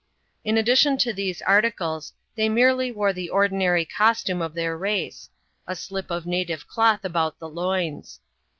In addition to these articles, they merely wore the ordinary costume of their race — a slip of native cloth about the loins.